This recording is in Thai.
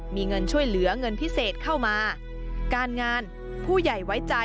มีเงินช่วยเหลือเงินพิเศษเข้ามาการงานผู้ใหญ่ไว้ใจ